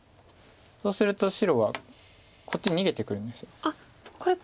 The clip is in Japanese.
そうすると白はこっち逃げてくるんです。